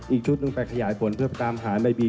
อีกชุดหนึ่งไปขยายผลเพื่อตามหาในบี